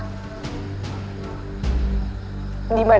putri ku mara